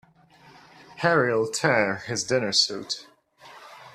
Harry'll tear his dinner suit.